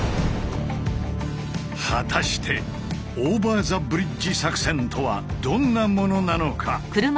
果たして「オーバー・ザ・ブリッジ作戦」とはどんなものなのか？